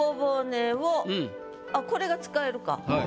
あっこれが使えるか。